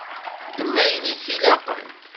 Ddem ayen i k-ilaqen.